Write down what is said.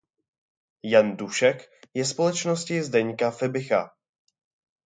Jan Dušek je Společnosti Zdeňka Fibicha.